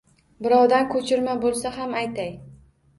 Birovdan koʼchirma boʼlsa ham aytay